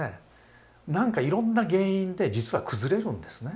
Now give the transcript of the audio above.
何かいろんな原因で実は崩れるんですね。